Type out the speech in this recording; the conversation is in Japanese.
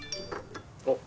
あっ。